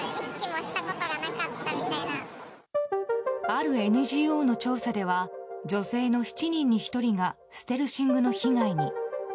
あるＮＧＯの調査では女性の７人に１人がステルシングの被害に。